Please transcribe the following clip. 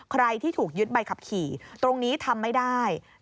ใครที่ถูกยึดใบขับขี่ตรงนี้ทำไม่ได้